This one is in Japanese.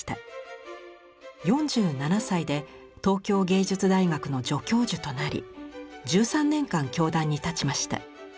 ４７歳で東京藝術大学の助教授となり１３年間教壇に立ちました。